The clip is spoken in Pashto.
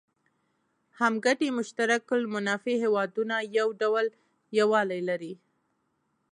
هم ګټي مشترک المنافع هېوادونه یو ډول یووالی لري.